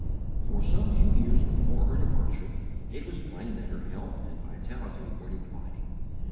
For some few years before her departure, it was plain that her health and vitality were declining.